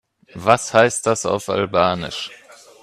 Was heißt das auf Albanisch?